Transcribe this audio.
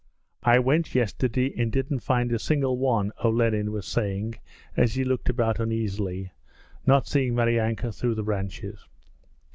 'I went yesterday and didn't find a single one,' Olenin was saying as he looked about uneasily, not seeing Maryanka through the branches.